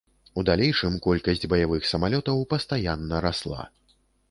У далейшым колькасць баявых самалётаў пастаянна расла.